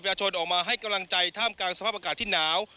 ประชาชนออกมาให้กำลังใจท่ามกลางสภาพอากาศที่หนาว